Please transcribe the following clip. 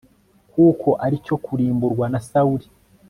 kuko ari icyo kurimburwa nasawuli